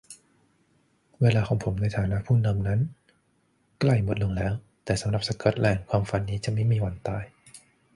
"เวลาของผมในฐานะผู้นำนั้นใกล้หมดลงแล้ว แต่สำหรับสกอตแลนด์ ความฝันนี้จะไม่มีวันตาย"